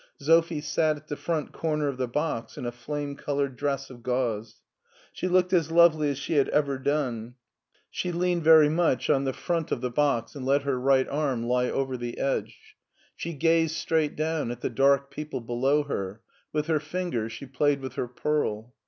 Sophie sat in the front comer of the box in a flame colored dress of gauze. She looked as lovely as shp had ever done. She leaned very much on the front of 3IO MARTIN SCHULER the box and let her right arm He over the edge. She gazed straight down at the dark people below her : with her fingers she played with her pearl.